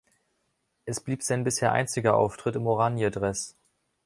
Es blieb sein bisher einziger Auftritt im "Oranje"-Dress.